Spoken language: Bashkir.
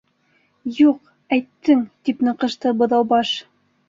—Юҡ, әйттең, —тип ныҡышты Быҙаубаш.